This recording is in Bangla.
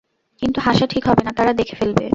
কিন্তু হাসা ঠিক হবেনা, তারা দেখে ফেলবে।